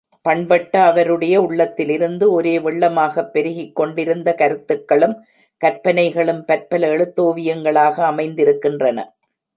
பண்பட்ட அவருடைய உள்ளத்திலிருந்து ஒரே வெள்ளமாகப் பெருகிக் கொண்டிருந்த கருத்துக்களும் கற்பனைகளும் பற்பல எழுத்தோவியங்களாக அமைந்திருக்கின்றன.